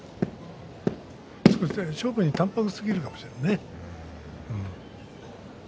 勝負に淡泊すぎるかもしれないね。